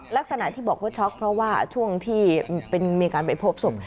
ลักษณะที่บอกว่าช็อกเพราะว่าช่วงที่มีการไปพบศพ